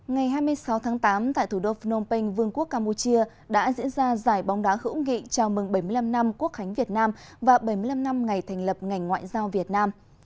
ngày hai mươi sáu tháng tám tại thủ đô phnom penh vương quốc campuchia đã diễn ra giải bóng đá hữu nghị chào mừng bảy mươi năm năm quốc khánh việt nam và bảy mươi năm năm ngày thành lập ngành ngoại giao việt nam